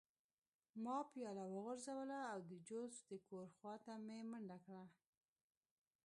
ما پیاله وغورځوله او د جوزف د کور خوا ته مې منډه کړه